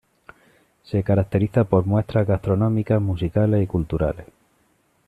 Se caracteriza por muestras gastronómicas, musicales y culturales.